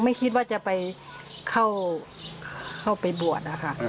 ไม่คิดว่าจะเข้าไปบวชค่ะ